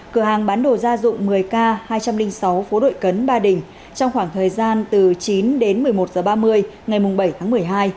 cửa hàng bán đồ gia dụng một mươi k hai trăm linh sáu phố đội cấn ba đình trong khoảng thời gian từ chín đến một mươi một h ba mươi ngày bảy tháng một mươi hai